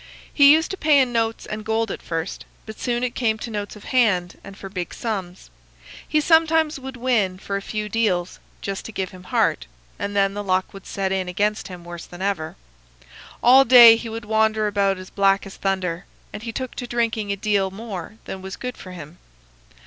He used to pay in notes and gold at first, but soon it came to notes of hand and for big sums. He sometimes would win for a few deals, just to give him heart, and then the luck would set in against him worse than ever. All day he would wander about as black as thunder, and he took to drinking a deal more than was good for him.